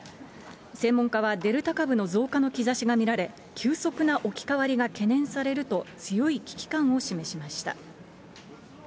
専門家はデルタ株の増加の兆しが見られ、急速な置き換わりが懸念されると、強い危機感を示しました。